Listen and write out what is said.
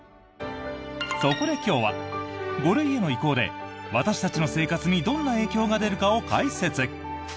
そこで今日は５類への移行で私たちの生活にどんな影響が出るかを解説！